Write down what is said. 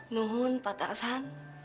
nuhun pak tosan